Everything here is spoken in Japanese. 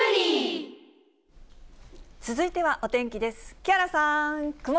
続いてはお天気です。